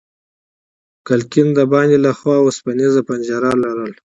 کړکۍ د باندې له خوا وسپنيزه پنجره لرله.